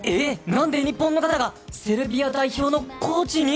なんで日本の方がセルビア代表のコーチに？